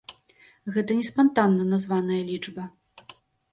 Гэта не спантанна названая лічба.